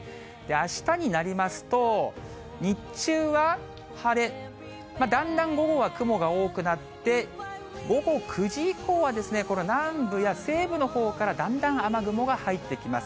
あしたになりますと、日中は晴れ、だんだん午後は雲が多くなって、午後９時以降は、この南部や西部のほうからだんだん雨雲が入ってきます。